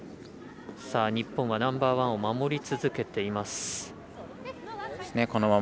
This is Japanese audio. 日本はナンバーワンを守り続けています。